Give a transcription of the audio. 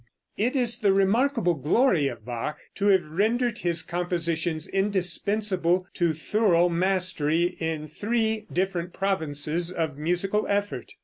] It is the remarkable glory of Bach to have rendered his compositions indispensable to thorough mastery in three different provinces of musical effort.